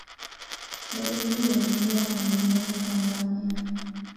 Dalili za ugonjwa wa majimoyo kwa ngamia